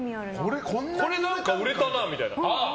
これ何か売れたなみたいな。